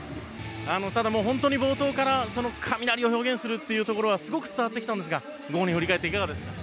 ただ、本当に冒頭から雷を表現するというところはすごく伝わってきたんですがご本人振り返っていかがですか？